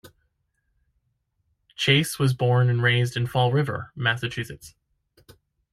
Chace was born and raised in Fall River, Massachusetts.